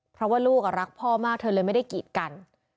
เพราะว่าลูกรักพ่อมากเธอเลยไม่ได้กีดกัน